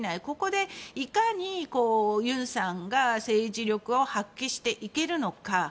ここでいかにユンさんが政治力を発揮していけるのか。